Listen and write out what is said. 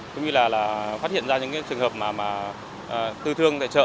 cũng như là phát hiện ra những trường hợp mà tư thương tại chợ